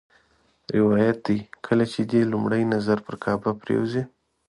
روایت دی کله چې دې لومړی نظر پر کعبه پرېوځي.